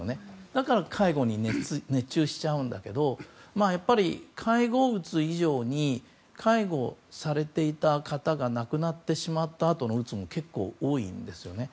だから介護に熱中しちゃうんだけどやっぱり介護うつ以上に介護されていた方が亡くなってしまったあとのうつも結構多いんですね。